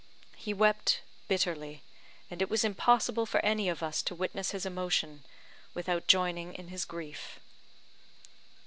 He wept bitterly, and it was impossible for any of us to witness his emotion without joining in his grief.